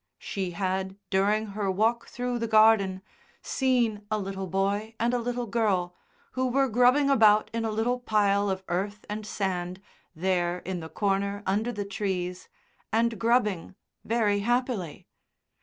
She had during her walk through the garden seen a little boy and a little girl, who were grubbing about in a little pile of earth and sand there in the corner under the trees, and grubbing very happily.